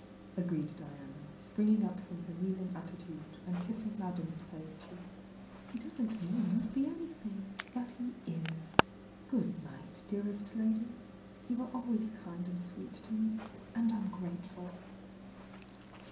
agreed Diana, springing up from her kneeling attitude, and kissing Madame's pale cheek. "He doesn't 'mean' to be anything — but he is! Good night, dearest lady! You are always kind and sweet to me — and I'm grateful!"